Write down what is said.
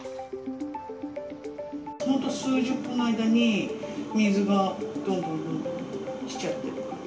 本当、数十分の間に、水がどんどんどんどんときちゃってって感じ。